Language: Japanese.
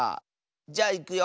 じゃいくよ。